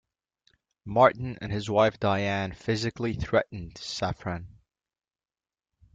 Martin and his wife Dianne physically threatened Safran.